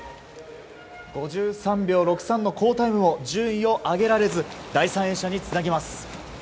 ５３秒６３の好タイムを順位を上げられず第３泳者につなげます。